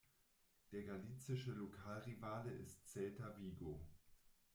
Der galicische Lokalrivale ist Celta Vigo.